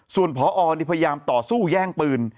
ส่วนพอพยายามต่อสู้แย่งปืน